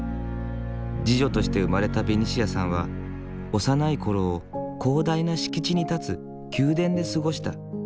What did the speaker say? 次女として生まれたベニシアさんは幼いころを広大な敷地に建つ宮殿で過ごした。